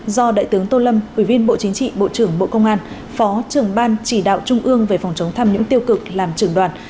do đại tướng tô lâm ủy viên bộ chính trị bộ trưởng bộ công an phó trưởng ban chỉ đạo trung ương về phòng chống tham nhũng tiêu cực làm trưởng đoàn